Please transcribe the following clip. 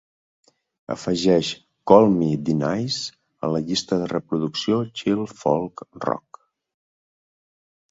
Afegeix Call Me D-Nice a la llista de reproducció Chill Folk Rock.